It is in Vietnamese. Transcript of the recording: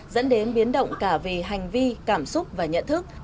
dẫn đến biến động cả về hành vi cảm xúc và nhận thức